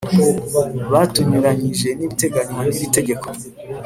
bitanyuranyije n’ibiteganywa n’iri tegeko